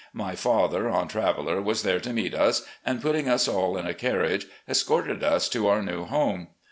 My father, on Traveller, was there to meet us, and, putting us all in a carriage, escorted us to our new home.